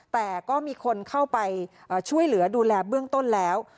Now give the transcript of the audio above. แต่ก็มีคนเข้าไปช่วยเหลือดูแลเบื้องต้นแล้ว